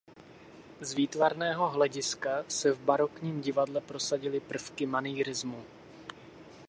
Z výtvarného hlediska se v barokním divadle prosadily prvky manýrismu.